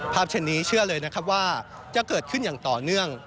เช่นนี้เชื่อเลยนะครับว่าจะเกิดขึ้นอย่างต่อเนื่อง